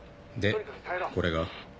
でこれが？